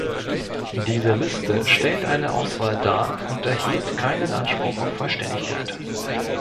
Diese Liste stellt eine Auswahl dar und erhebt keinen Anspruch auf Vollständigkeit.